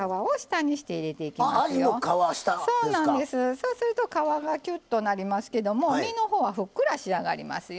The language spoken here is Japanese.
そうすると皮がきゅっとなりますけども身の方はふっくら仕上がりますよ。